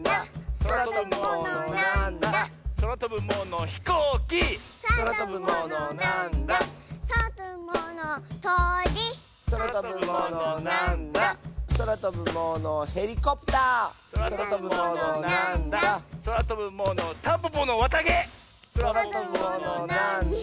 「そらとぶものなんだ？」